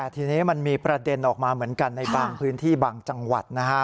ทีนี้มันมีประเด็นออกมาเหมือนกันในบางพื้นที่บางจังหวัดนะฮะ